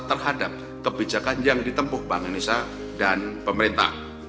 terhadap kebijakan yang ditempuh bank indonesia dan pemerintah